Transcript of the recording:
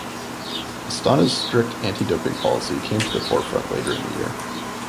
Astana's strict anti-doping policy came to the forefront later in the year.